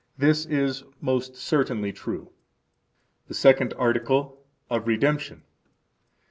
This is most certainly true. The Second Article. Of Redemption.